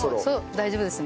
大丈夫です。